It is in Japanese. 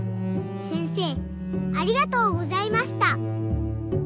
せんせいありがとうございました。